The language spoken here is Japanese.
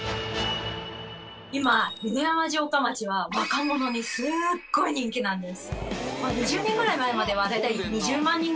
今犬山城下町は若者にすごい人気なんです。